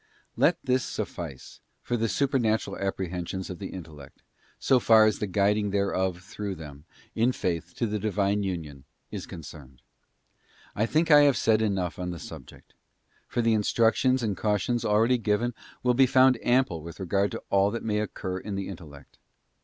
Let this suffice for the Supernatural Apprehensions of the intellect, so far as the guiding thereof through them, in faith, to the Divine union, is concerned. I think I have said enough on the subject: for the instructions and cautions already given will be found ample with regard to all that may occur in the intellect.